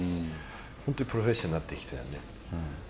本当にプロフェッショナルになってきたよね。